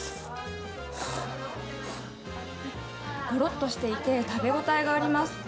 ごろっとしていて、食べ応えがあります。